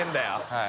はい。